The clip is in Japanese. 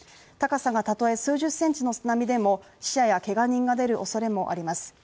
高さがたとえ数十センチの津波でも死者やけが人が出るおそれがあります。